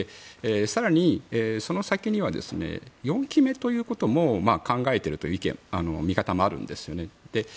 更に、その先には４期目ということも考えているという意見、見方もあるんですよね。